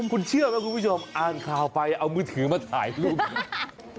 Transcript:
คุณเชื่อไหมคุณผู้ชมอ่านข่าวไปเอามือถือมาถ่ายรูป